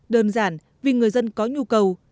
đơn giản vì người dân có nhu cầu